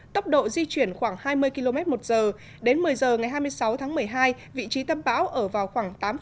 tốc độ di chuyển khoảng hai mươi km một giờ đến một mươi h ngày hai mươi sáu tháng một mươi hai vị trí tâm bão ở vào khoảng tám